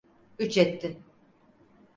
Üç etti.